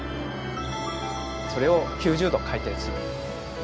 それを９０度回転する。